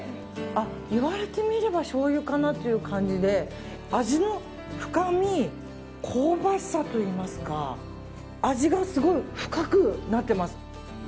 言われてみればしょうゆかなという感じで味の深み、香ばしさといいますか味がすごい深くなっています。